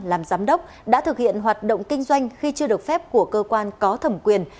làm giám đốc đã thực hiện hoạt động kinh doanh khi chưa được phép của cơ quan có thẩm quyền